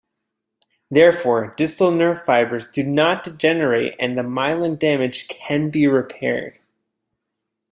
Therefore, distal nerve fibers do not degenerate and the myelin damage can be repaired.